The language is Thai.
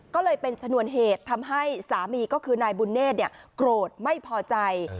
ก็เลยเป็นชนวนเหตุทำให้สามีก็คือนายบุญเนธโกรธไม่พอใจ